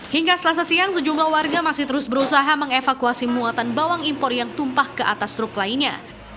hingga selasa siang sejumlah warga masih terus berusaha mengevakuasi muatan bawang impor yang tumpah ke atas truk lainnya